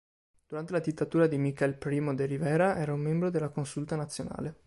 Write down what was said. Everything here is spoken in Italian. Durante la dittatura di Miguel Primo de Rivera era un membro della Consulta Nazionale.